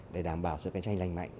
để đảm bảo sự cạnh tranh lành mạnh